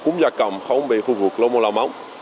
cũng giả cầm không bị khu vực lô mô lao móng